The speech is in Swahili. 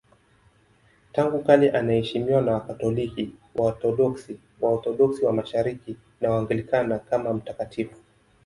Tangu kale anaheshimiwa na Wakatoliki, Waorthodoksi, Waorthodoksi wa Mashariki na Waanglikana kama mtakatifu.